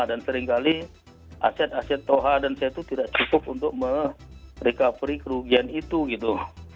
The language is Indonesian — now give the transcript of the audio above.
dan seringkali aset aset toha dan setu tidak cukup untuk merecovery kerugian itu gitu